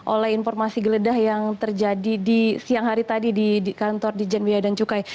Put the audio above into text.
oleh informasi geledah yang terjadi di siang hari tadi di kantor dijen bea dan cukai